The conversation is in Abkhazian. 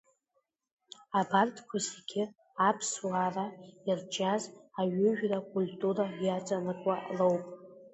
Абарҭқәа зегьы Аԥсуара иарҿиаз аҩыжәра акультура иаҵанакуа роуп.